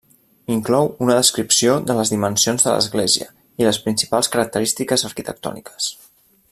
Inclou una descripció de les dimensions de l'església i les principals característiques arquitectòniques.